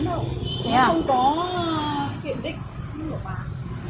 ở đây họ không được bán đâu không có kiểm định không được bán